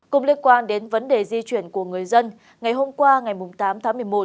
cùng liên quan đến vấn đề di chuyển của người dân ngày hôm qua ngày tám tháng một mươi một